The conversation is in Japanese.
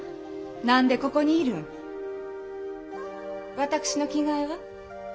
私の着替えは？